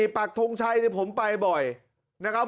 ปากทงชัยผมไปบ่อยนะครับ